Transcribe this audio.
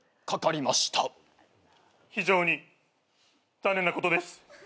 非常に残念なことです。